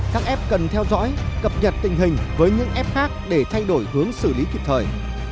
các f cần theo dõi cập nhật tình hình với những f khác để thay đổi hướng xử lý kịp thời